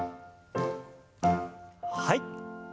はい。